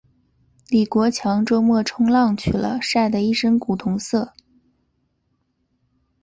李国强周末冲浪去了，晒得一身古铜色。